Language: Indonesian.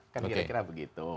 kan kira kira begitu